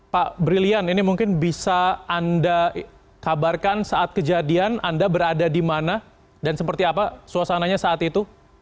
pak brilian ini mungkin bisa anda kabarkan saat kejadian anda berada di mana dan seperti apa suasananya saat itu